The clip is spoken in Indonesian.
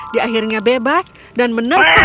dia akhirnya bebas dan menerka